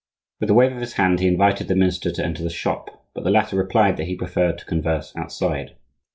With a wave of his hand he invited the minister to enter the shop, but the latter replied that he preferred to converse outside.